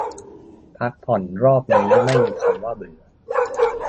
พักผ่อนรอบนี้ไม่มีคำว่าเบื่อ